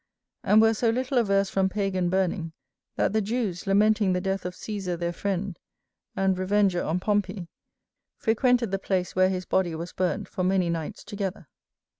And were so little averse from Pagan burning, that the Jews lamenting the death of Cæsar their friend, and revenger on Pompey, frequented the place where his body was burnt for many nights together.